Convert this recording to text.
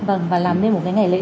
vâng và làm nên một cái ngày lễ